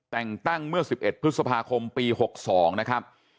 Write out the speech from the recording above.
แต่งตั้งเมื่อ๑๑พฤษภาคมปี๖๒นะครับ